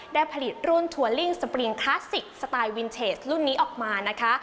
ได้ผลิตรุ่นทัวลิ่งสปริงคลาสสิกสไตล์วินเทจรุ่นนี้ออกมานะคะ